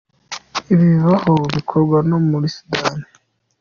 Ibi bikaba bikorwa no muri Sudani.